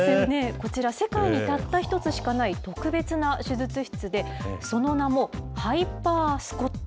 こちら、世界にたった一つしかない特別な手術室で、その名も、ハイパー・スコット。